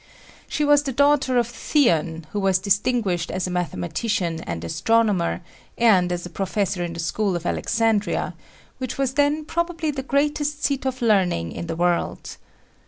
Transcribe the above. She was the daughter of Theon, who was distinguished as a mathematician and astronomer and as a professor in the school of Alexandria, which was then probably the greatest seat of learning in the world.